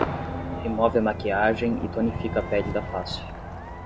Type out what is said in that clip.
Remove a maquiagem e tonifica a pele da face